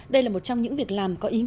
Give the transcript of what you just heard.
đây là một trong những việc lao động